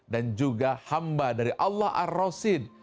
dan juga hamba dari allah ar rasid